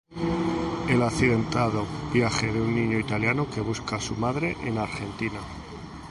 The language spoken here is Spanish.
El accidentado viaje de un niño italiano que busca a su madre en Argentina.